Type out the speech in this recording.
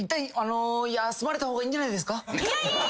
いやいや。